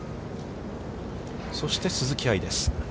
そして鈴木愛です。